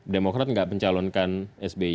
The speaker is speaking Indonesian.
demokrat tidak mencalonkan sby